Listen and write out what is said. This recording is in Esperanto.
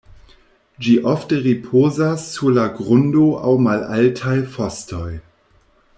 Ĝi ofte ripozas sur la grundo aŭ malaltaj fostoj.